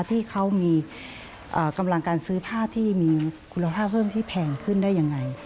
ที่เขามีกำลังการซื้อผ้าที่มีคุณภาพเพิ่มที่แพงขึ้นได้ยังไง